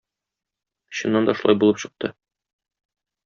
Чыннан да шулай булып чыкты.